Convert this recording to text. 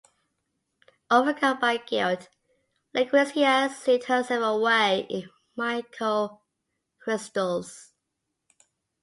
Overcome by guilt, Lucrecia sealed herself away in Mako crystals.